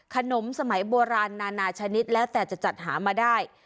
ขนมสมัยโบราณนานาชนิดแล้วแต่จะจัดหามาได้